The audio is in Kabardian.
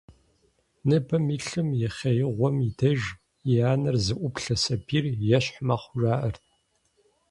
Ныбэм илъым и хъеигъуэм и деж, и анэр зыӀуплъэм сабийр ещхь мэхъу, жаӀэрт.